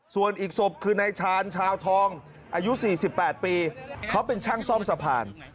ส่วนอีกศพคือนายชาญชาวทองอายุ๔๘ปีเขาเป็นช่างซ่อมสะพาน